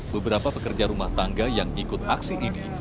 beberapa pekerja rumah tangga yang ikut aksi ini